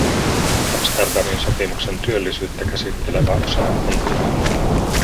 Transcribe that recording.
Amsterdamin sopimuksen työllisyyttä käsittelevä osa on hyvä.